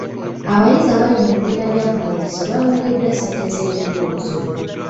Abayizi abali mu bibiina by'akamalirizo baawereddwa ssejnte z'ebibuuzo.